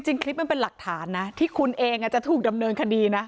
คลิปมันเป็นหลักฐานนะที่คุณเองจะถูกดำเนินคดีนะ